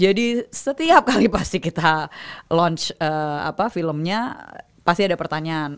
jadi setiap kali pasti kita launch filmnya pasti ada pertanyaan